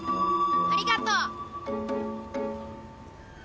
ありがとう！